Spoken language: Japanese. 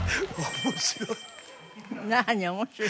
面白い。